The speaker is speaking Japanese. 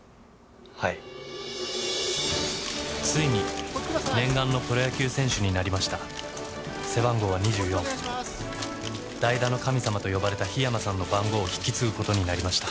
はいついに念願のプロ野球選手になりました背番号は２４代打の神様と呼ばれた桧山さんの番号を引き継ぐことになりました